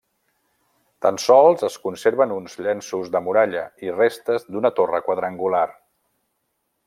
Tan sols es conserven uns llenços de muralla i restes d'una torre quadrangular.